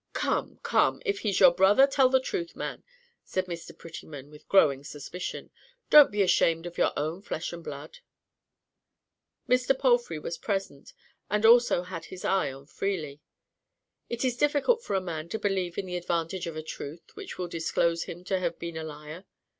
"Come, come, if he's your brother, tell the truth, man," said Mr. Prettyman, with growing suspicion. "Don't be ashamed of your own flesh and blood." Mr. Palfrey was present, and also had his eye on Freely. It is difficult for a man to believe in the advantage of a truth which will disclose him to have been a liar.